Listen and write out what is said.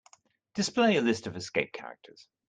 Display a list of escape characters.